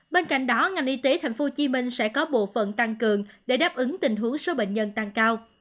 bên cạnh đó ngành y tế tp hcm sẽ có bộ phận tăng cường để đáp ứng tình huống số bệnh nhân tăng cao